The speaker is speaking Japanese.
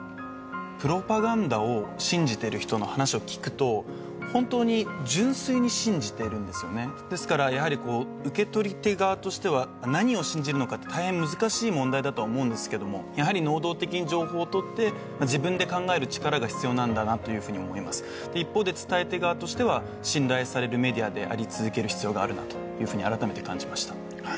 プロパガンダを信じてる人の話を聞くと本当に純粋に信じてるんですよねですからやはりこう受け取り手側としては何を信じるのかって大変難しい問題だとは思うんですけどもやはり能動的に情報をとって自分で考える力が必要なんだなというふうに思います一方で伝え手側としては信頼されるメディアであり続ける必要があるなというふうに改めて感じました